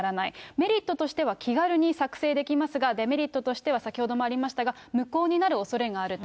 メリットとしては気軽に作成できますが、デメリットとしては、先ほどもありましたが、無効になるおそれがあると。